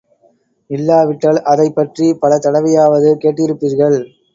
இல்லாவிட்டால் அதைப் பற்றிப் பல தடவையாவது கேட்டிருப்பீர்கள்.